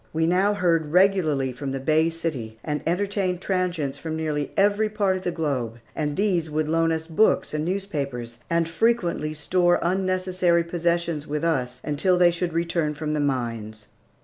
We now heard regularly from the Bay City, and entertained transients from nearly every part of the globe; and these would loan us books and newspapers, and frequently store unnecessary possessions with us until they should return from the mines.